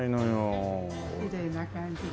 きれいな感じで。